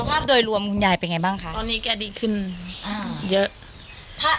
ภาพโดยรวมคุณยายเป็นไงบ้างคะตอนนี้แกดีขึ้นอ่าเยอะถ้า